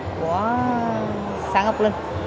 của xã ngọc linh